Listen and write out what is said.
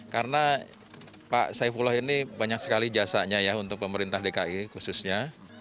karena pak saifullah ini banyak sekali jasanya ya untuk pemerintah dki khususnya